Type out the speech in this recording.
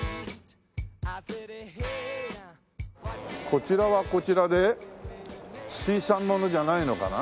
こちらはこちらで水産ものじゃないのかな？